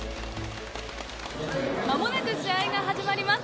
まもなく試合が始まります。